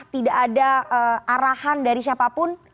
tidak ada arahan dari siapapun